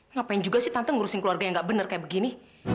ngapain juga sih tante ngurusin keluarga yang gak bener kayak begini